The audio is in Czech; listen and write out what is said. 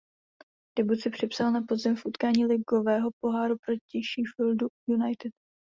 Debut si připsal na podzim v utkání Ligového poháru proti Sheffieldu United.